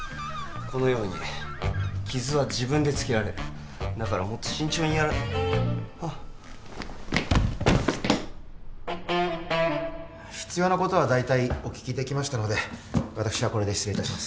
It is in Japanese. このように傷は自分でつけられるだからもっと慎重にやらあッ必要なことは大体お聞きできましたので私はこれで失礼いたします